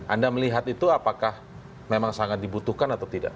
anda melihat itu apakah memang sangat dibutuhkan atau tidak